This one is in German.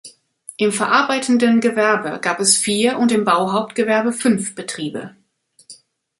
Im verarbeitenden Gewerbe gab es vier und im Bauhauptgewerbe fünf Betriebe.